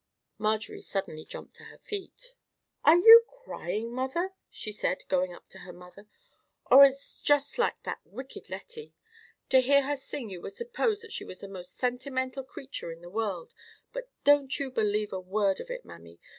Marjorie suddenly jumped to her feet. "Are you crying, mother?" she said, going up to her mother. "Oh, it's just like that wicked Lettie. To hear her sing you would suppose that she was the most sentimental creature in the world: but don't you believe a word of it, mammy.